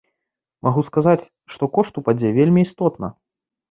Магу сказаць, што кошт упадзе вельмі істотна.